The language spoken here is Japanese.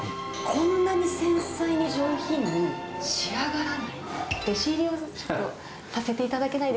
こんなに繊細に上品に仕上がらない。